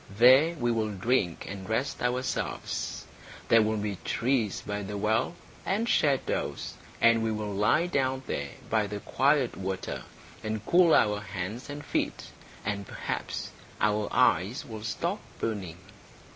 There we will drink and rest ourselves. There will be trees by the well, and shadows, and we will lie down there by the quiet water and cool our hands and feet, and perhaps our eyes will stop burning."